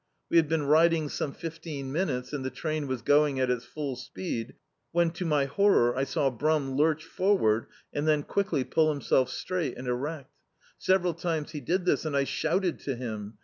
We had been riding some fifteen minutes, and the train was going at its full speed when, to my horror, I saw Brum lurch for ward, and then quickly pull himself straight and erecL Several times he did this, and I shouted to him.